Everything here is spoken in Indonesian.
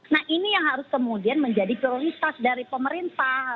nah ini yang harus kemudian menjadi prioritas dari pemerintah